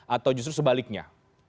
atau justru sebaliknya